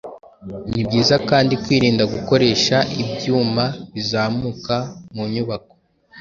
Ni byiza kandi kwirinda gukoresha ibyuma bizamuka mu nyubako